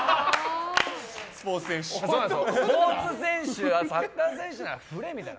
スポーツ選手、サッカー選手なら振れ！みたいな。